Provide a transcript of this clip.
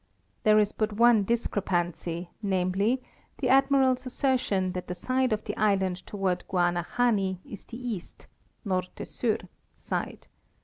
There is but one discrep ancy, namely, the Admiral's assertion that the side of the island toward Guanahani is the east (Norte Sur) side.